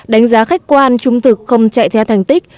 đánh giá khách quan trung thực không chạy theo thành tích